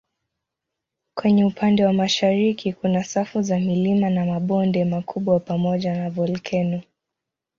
Kwenye upande wa mashariki kuna safu za milima na mabonde makubwa pamoja na volkeno.